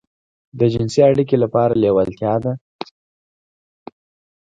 د جنسي اړيکې لپاره لېوالتيا ده.